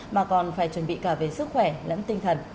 mà còn phải chuẩn bị cả về sức khỏe lẫn tinh thần